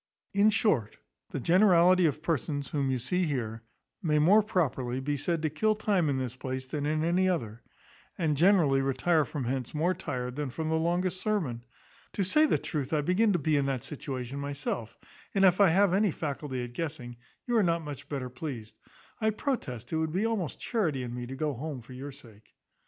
In short, the generality of persons whom you see here may more properly be said to kill time in this place than in any other; and generally retire from hence more tired than from the longest sermon. To say the truth, I begin to be in that situation myself; and if I have any faculty at guessing, you are not much better pleased. I protest it would be almost charity in me to go home for your sake."